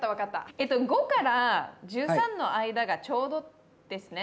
えと５から１３の間がちょうどですね。